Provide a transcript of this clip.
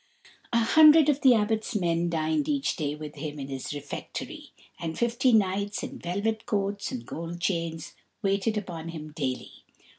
A hundred of the Abbot's men dined each day with him in his refectory, and fifty knights in velvet coats and gold chains waited upon him daily.